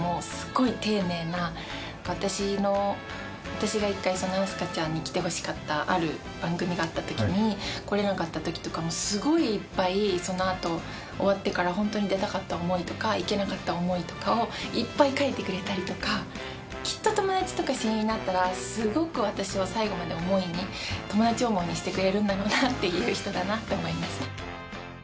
私が一回飛鳥ちゃんに来てほしかったある番組があった時に来れなかった時とかもすごいいっぱいそのあと終わってからホントに出たかった思いとか行けなかった思いとかをいっぱい書いてくれたりとかきっと友達とか親友になったらすごく私を最後まで友達思いにしてくれるんだろうなっていう人だなって思いました。